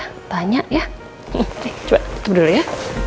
bu erina deh ya tanya ya coba tutup dulu ya